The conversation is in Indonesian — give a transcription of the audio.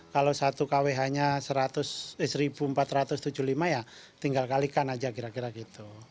kalau satu kwh nya seribu empat ratus tujuh puluh lima ya tinggal kalikan aja kira kira gitu